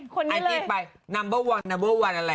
คุณน้ำเบอร์วัน